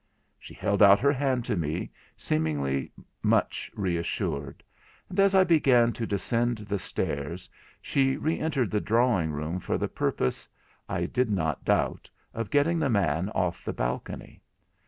She held out her hand to me, seemingly much reassured; and as I began to descend the stairs, she re entered the drawing room for the purpose, I did not doubt, of getting the man off the balcony.